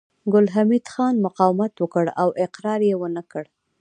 ګل حمید خان مقاومت وکړ او اقرار يې ونه کړ